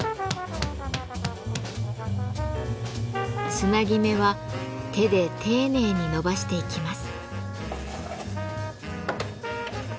つなぎ目は手で丁寧に延ばしていきます。